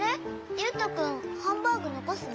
ゆうとくんハンバーグのこすの？